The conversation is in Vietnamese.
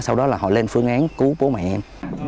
sau đó là họ lên phương án cứu bố mẹ em